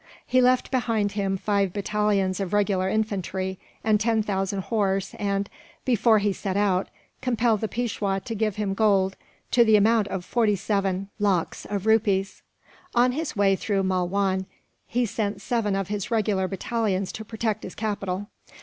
He left behind him five battalions of regular infantry, and ten thousand horse and, before he set out, compelled the Peishwa to give him gold to the amount of forty seven lakhs of rupees. On his way through Malwan, he sent seven of his regular battalions to protect his capital.